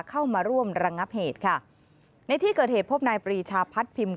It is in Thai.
เข้ามาร่วมระงับเหตุค่ะในที่เกิดเหตุพบนายปรีชาพัดพิมพ